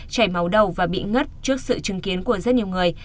chảy máu đầu và bị ngất trước sự chứng kiến của rất nhiều người